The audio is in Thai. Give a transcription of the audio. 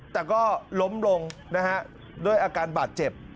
แต่ก็ล้มลงนะฮะด้วยอาการบาดเจ็บ